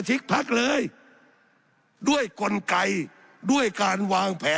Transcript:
สับขาหลอกกันไปสับขาหลอกกันไป